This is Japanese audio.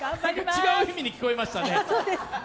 違う意味に聞こえましたね。